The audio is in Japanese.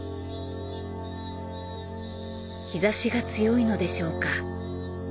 日差しが強いのでしょうか。